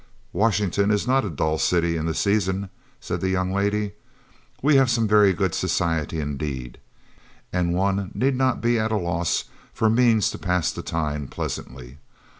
"Washington is not a dull city in the season," said the young lady. "We have some very good society indeed, and one need not be at a loss for means to pass the time pleasantly.